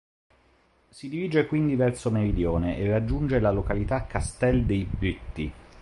Si dirige quindi verso meridione e raggiunge la località Castel dei Britti.